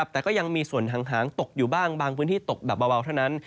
แต่ก็ยังมีส่วนหางตกอยู่บ้างบางพื้นที่ตกแบบเบาเท่านั้น